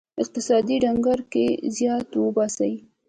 اقتصادي ډګر کې زیار وباسی.